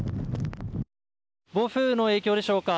暴風雨の影響でしょうか。